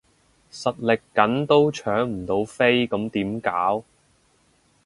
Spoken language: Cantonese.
實力緊都搶唔到飛咁點搞？